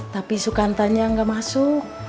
tapi sukantanya gak masuk